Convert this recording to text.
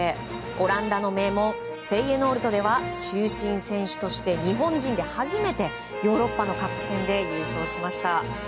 オランダの名門フェイエノールトでは中心選手として日本人で初めてヨーロッパのカップ戦で優勝しました。